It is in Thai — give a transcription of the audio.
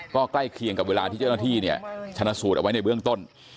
ก็ใกล้เคียงกับเวลาที่เจ้าหน้าที่เนี่ยชนะสูตรเอาไว้ในเบื้องต้น